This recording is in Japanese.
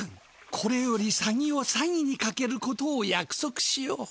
これよりサギを詐欺にかけることを約束しよう。